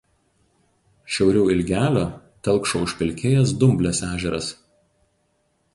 Šiauriau Ilgelio telkšo užpelkėjęs Dumblės ežeras.